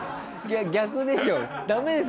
逆でしょ。